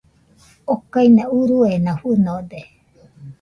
Okaina uruena fɨnode.